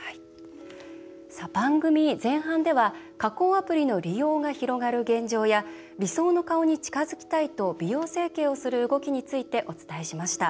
番組前半では加工アプリの利用が広がる現状や理想の顔に近づきたいと美容整形をする動きについてお伝えしました。